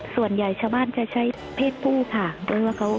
ส่วนใหญ่ชาวบ้านจะใช้เพศผู้ค่ะด้วยว่าเขา